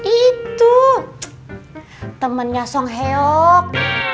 itu temennya song hyeok